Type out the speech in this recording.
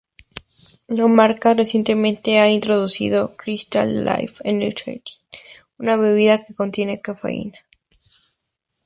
La marca recientemente ha introducido "Crystal Light Energy", una bebida que contiene cafeína.